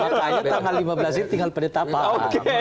kita hanya tanggal lima belas ini tinggal pendeta bang